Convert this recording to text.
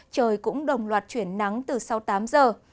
trời cũng đồng loạt chuyển nắng từ sau tám giờ